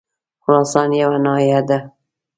خراسان یوه ناحیه ده.